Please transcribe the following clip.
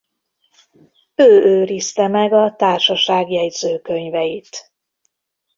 Ő őrizte meg a Társaság jegyzőkönyveit.